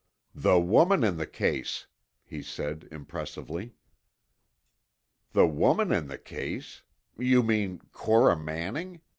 "The woman in the case," he said impressively. "The woman in the case? You mean Cora Manning?"